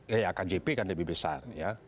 iya kjp kan lebih besar